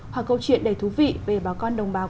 hoặc câu chuyện đầy thú vị về bà con đồng bào